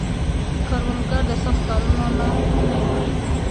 کروندګر د سخت کارونو نه نه وېرېږي